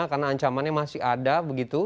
karena ancamannya masih ada begitu